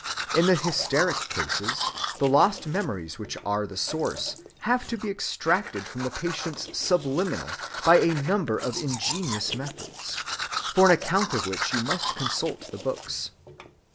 In the hysteric cases, the lost memories which are the source have to be extracted from the patient's Subliminal by a number of ingenious methods, for an account of which you must consult the books.